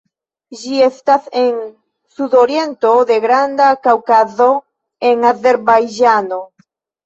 Ĝi estas en sudoriento de Granda Kaŭkazo en Azerbajĝano.